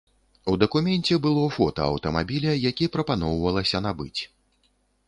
У дакуменце было фота аўтамабіля, які прапаноўвалася набыць.